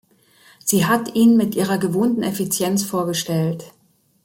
Sie hat ihn mit ihrer gewohnten Effizienz vorgestellt.